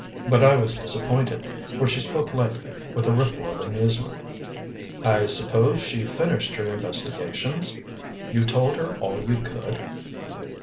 But I was disappointed, for she spoke lightly, with a ripple of amusement. "I suppose she finished her investigations? You told her all you could?"